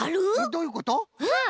どういうこと？